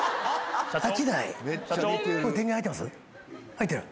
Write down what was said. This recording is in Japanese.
入ってる？